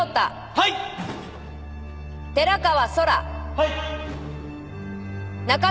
はい。